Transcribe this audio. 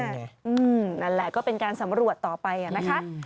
นั่นแหละก็เป็นการสำรวจต่อไปนะคะ